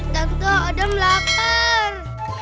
tante adam lapar